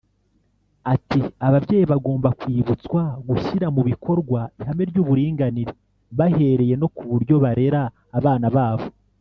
Ati “Ababyeyi bagomba kwibutswa gushyira mu bikorwa ihame ry’uburinganire bahereye no ku buryo barera abana babo